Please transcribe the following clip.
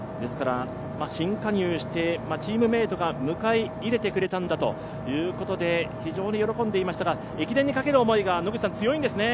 新加入してチームメイトが迎え入れてくれたんだということで非常に喜んでいましたが駅伝にかける思いが強いんですね。